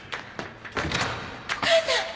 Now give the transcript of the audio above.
お母さん！